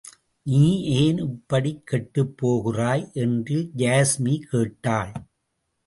நீ ஏன் இப்படிக் கெட்டுப் போகிறாய்? என்று யாஸ்மி கேட்டாள்.